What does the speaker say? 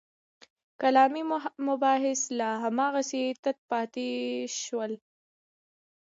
کلامي مباحث لا هماغسې تت پاتې شول.